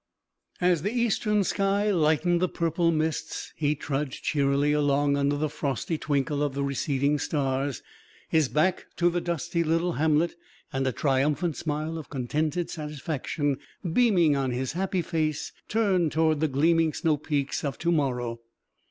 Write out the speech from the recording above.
As the eastern sky lightened the purple mists, he trudged cheerily along under the frosty twinkle of the receding stars, his back to the dusty little hamlet and a triumphant smile of contented satisfaction beaming on his happy face, turned toward the gleaming snow peaks of to morrow.